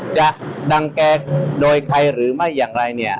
จะดังแกโดยใครหรือไม่อย่างไรเนี่ย